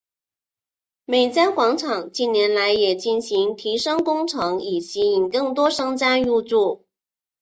美嘉广场近年来也进行提升工程以吸引更多商家入住。